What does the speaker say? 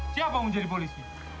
siapa mau jadi polisi